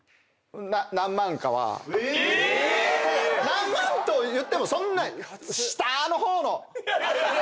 ⁉何万といってもそんな下の方の。